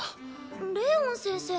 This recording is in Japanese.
レオン先生。